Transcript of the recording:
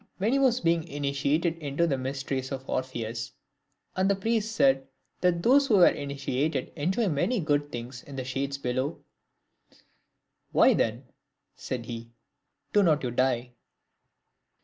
When he was being initiated into the mysteries of Orpheus, and the priest said that those who were initiated enjoyed many good things in the shades below, " Why, then," said he " do not you die